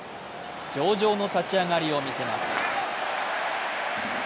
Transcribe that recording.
上々の立ち上がりを見せます。